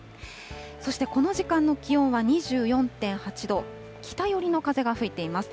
そしてこの時間の気温は２４．８度、北寄りの風が吹いています。